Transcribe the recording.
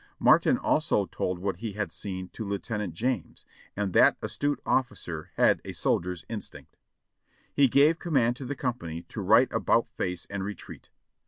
Martin also told what he had seen to Lieutenant James, and that astute officer had a soldier's instinct. He gave command to the company to right about face and retreat.